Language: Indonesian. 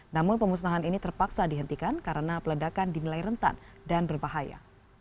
namun pemusnahan ini terpaksa dihentikan karena peledakan dinilai rentan dan berbahaya